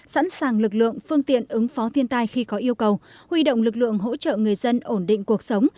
sẵn sàng lực lượng phương tiện ứng phó thiên tai khi có yêu cầu huy động lực lượng hỗ trợ người dân ổn định cuộc sống